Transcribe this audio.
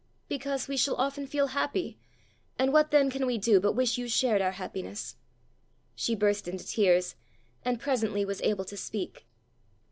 "Because we shall often feel happy, and what then can we do but wish you shared our happiness!" She burst into tears, and presently was able to speak.